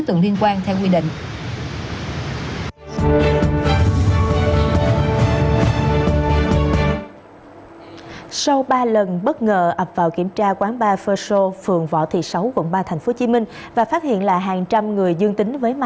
từ quận bốn tp hcm